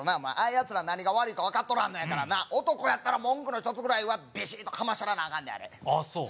いうやつら何が悪いか分かっとらんのやからな男やったら文句の一つぐらいはビシッとかましたらなアカンでああそう？